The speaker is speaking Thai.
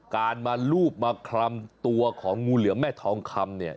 การมาลูบมาคลำตัวของงูเหลือมแม่ทองคำเนี่ย